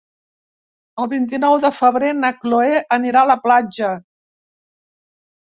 El vint-i-nou de febrer na Chloé anirà a la platja.